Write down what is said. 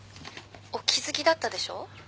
☎お気付きだったでしょう？